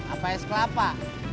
apa es kelapa